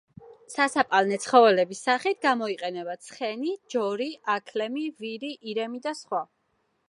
სასაპალნე ცხოველების სახით გამოიყენება: ცხენი, ჯორი, აქლემი, ვირი, ირემი და სხვა.